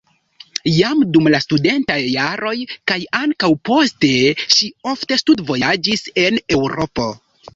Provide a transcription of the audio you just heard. Jam dum la studentaj jaroj kaj ankaŭ poste ŝi ofte studvojaĝis en Eŭropo.